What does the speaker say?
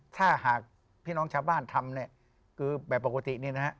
ถ้าหากพี่น้องชาวบ้านทำคือแบบปกติ